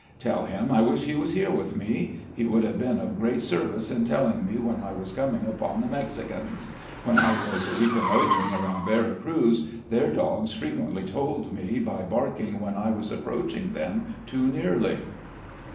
" Tell him I wish he was here with me. He would have been of great service in telling me when I was coming upon the Mexicans. When I was reconnoitering around Vera Cruz, their dogs frequently told me by barking when I was approaching them too nearly.